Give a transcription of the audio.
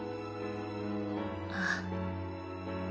ああ。